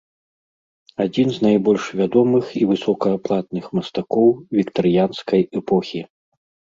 Адзін з найбольш вядомых і высокааплатных мастакоў віктарыянскай эпохі.